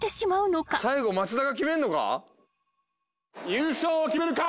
優勝を決めるか？